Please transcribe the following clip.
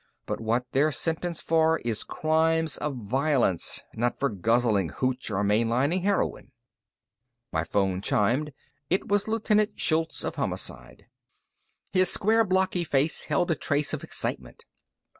But what they're sentenced for is crimes of violence, not for guzzling hooch or mainlining heroin." My phone chimed. It was Lieutenant Shultz, of Homicide. His square, blocky face held a trace of excitement.